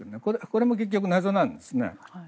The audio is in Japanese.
これも結局、謎なんですね。